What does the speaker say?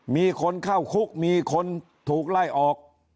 มีคนเข้าคุกมีคนถูกไล่ออก